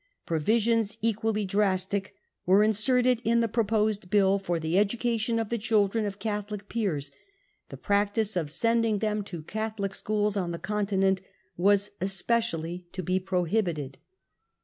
Provi sions equally drastic were inserted in the proposed bill for the education of the children of Catholic peers ; the practice of sending them to Catholic schools on the Con tinent was especially to be prohibited.